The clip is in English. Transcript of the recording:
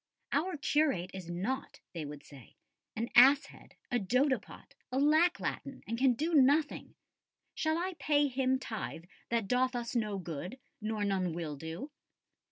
"Our curate is naught," they would say, "an ass head, a dodipot [?], a lack latin, and can do nothing. Shall I pay him tithe that doth us no good, nor none will do?"